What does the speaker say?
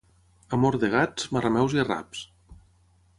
Amor de gats, marrameus i arraps.